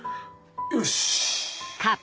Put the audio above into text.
よし！